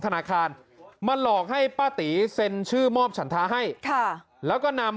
ธนาคารมาหลอกให้ป้าตีเซ็นชื่อมอบฉันท้าให้ค่ะแล้วก็นำ